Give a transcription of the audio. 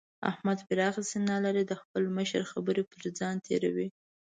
احمد پراخه سينه لري؛ د خپل مشر خبرې پر ځان تېروي.